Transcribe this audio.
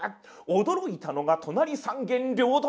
驚いたのが隣三軒両隣。